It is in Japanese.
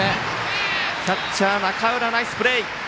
キャッチャー、中浦ナイスプレー！